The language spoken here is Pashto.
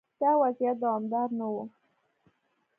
دا وضعیت دوامدار نه و.